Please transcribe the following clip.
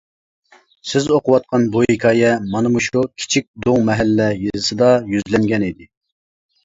سىز ئوقۇۋاتقان بۇ ھېكايە مانا مۇشۇ «كىچىك دوڭ مەھەللە» يېزىسىدا يۈزلەنگەن ئىدى.